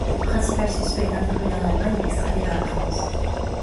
Le principal suspect est interpellé en Allemagne et extradé vers la France.